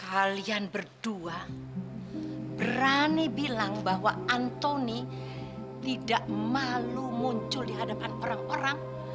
kalian berdua berani bilang bahwa anthony tidak malu muncul di hadapan orang orang